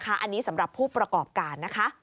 อันนี้สำหรับผู้ประกอบการนะคะ